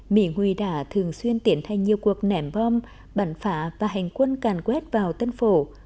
mỹ nguy đã thường xuyên tiến thay nhiều cuộc nẻm bom bắn phả và hành quân càn quét vào tân phổ